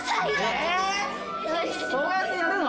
えそうやってやるの？